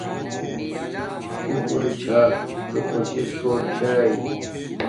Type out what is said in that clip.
شکور چھا تو خوش شس کوٹ ایاݵ